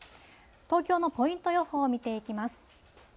東京のポイント予報を見ていきます。